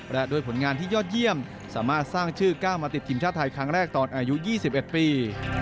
และด้วยผลงานที่ยอดเยี่ยมสามารถสร้างชื่อก้าวมาติดทีมชาติไทยครั้งแรกตอนอายุ๒๑ปี